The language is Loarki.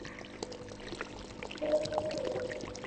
امو او مي رھيو ھون